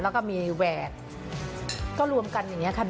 แล้วก็มีแหวกก็รวมกันอย่างนี้ค่ะ